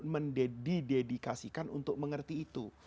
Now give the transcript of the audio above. mendedikasikan untuk mengerti itu